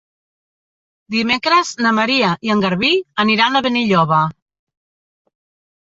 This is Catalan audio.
Dimecres na Maria i en Garbí aniran a Benilloba.